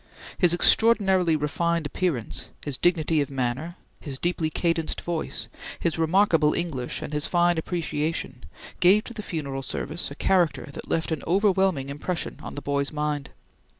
His extraordinarily refined appearance, his dignity of manner, his deeply cadenced voice, his remarkable English and his fine appreciation, gave to the funeral service a character that left an overwhelming impression on the boy's mind.